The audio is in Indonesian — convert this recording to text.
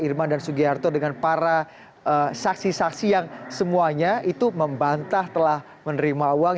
irman dan sugiharto dengan para saksi saksi yang semuanya itu membantah telah menerima uang